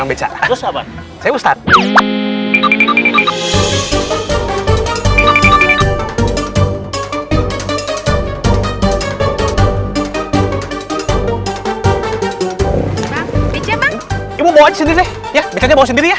mau bawa aja sendiri ya baca aja bawa sendiri ya